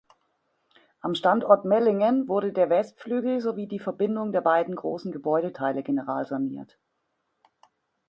Am Standort Mellingen wurde der Westflügel sowie die Verbindung der beiden großen Gebäudeteile generalsaniert.